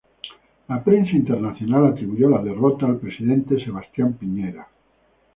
La prensa internacional atribuyó la derrota al presidente Sebastián Piñera.